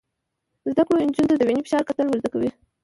زده کړه نجونو ته د وینې فشار کتل ور زده کوي.